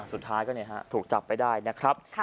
สุดท้ายก็ถูกจับไปได้นะครับ